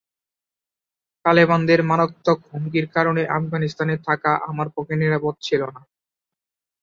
তালেবানদের মারাত্মক হুমকির কারণে আফগানিস্তানে থাকা আমার পক্ষে নিরাপদ ছিল না।